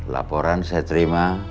laporan saya terima